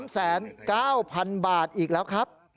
๓แสน๙พันบาทอีกแล้วครับ